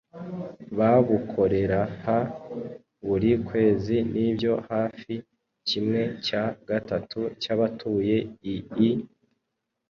babukoreha buri kwezi Nibyo hafi kimwe cya gatatu cyabatuye ii